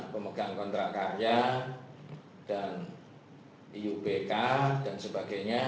maka semua pemegang kontrak karya dan iupk dan sebagainya